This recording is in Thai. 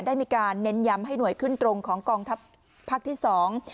ได้มีการเน้นย้ำให้หน่วยขึ้นตรงของกองทัพภาคที่สอง